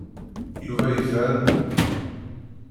Yuba yefhem.